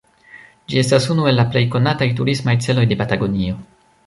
Ĝi estas unu el la plej konataj turismaj celoj de Patagonio.